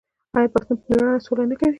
آیا پښتون په میړانه سوله نه کوي؟